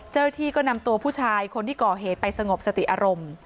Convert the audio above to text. เจ้าหน้าที่ก็นำตัวผู้ชายคนที่ก่อเหตุไปสงบสติอารมณ์